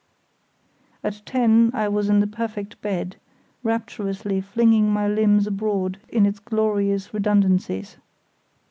At ten I was in the perfect bed, rapturously flinging my limbs abroad in its glorious redundancies.